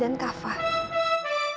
kamila akan memilih